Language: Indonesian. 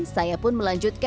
saya pun melanjutkan